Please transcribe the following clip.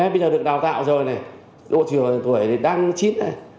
bây giờ được đào tạo rồi này độ tuổi thì đang chín này